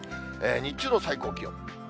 日中の最高気温。